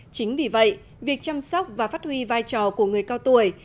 chính vì vậy việc chăm sóc và phát huy vai trò của người cao tuổi